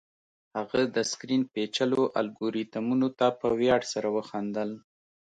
هغه د سکرین پیچلو الګوریتمونو ته په ویاړ سره وخندل